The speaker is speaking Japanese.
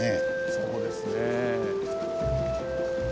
そうですね。